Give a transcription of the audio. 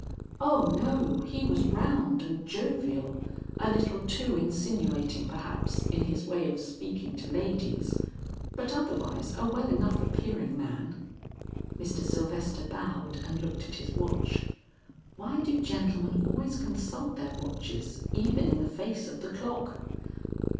"O no, he was round and jovial, a little too insinuating perhaps, in his way of speaking to ladies, but otherwise a a well enough appearing man." Mr. Sylvester bowed and looked at his watch. (Why do gentlemen always consult their watches even in the face of the clock?)